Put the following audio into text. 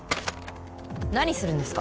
何するんですか。